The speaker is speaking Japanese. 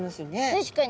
確かに。